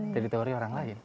teritori orang lain